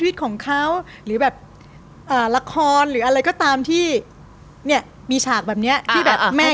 ชีวิตของเขาหรือแบบละครหรืออะไรก็ตามที่เนี่ยมีฉากแบบเนี้ยที่แบบแม่